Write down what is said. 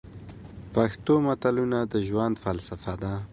پښتو متلونه د ژوند فلسفه ده.